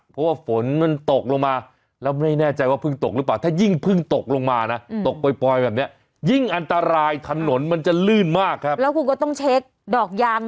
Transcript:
เพราะว่าฝนมันตกลงมาแล้วไม่แน่ใจว่าเพิ่งตกหรือเปล่า